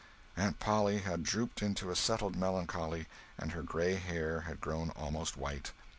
Aunt Polly had drooped into a settled melancholy, and her gray hair had grown almost white.